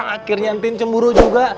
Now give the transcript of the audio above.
akhirnya tin cemburu juga